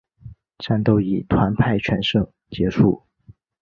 战斗以团派全胜结束。